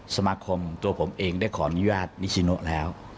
สมาคมตัวผมเองได้ขออนุญาตนิชิโนแล้ว